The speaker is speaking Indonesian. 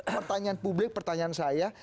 pertanyaan publik pertanyaan saya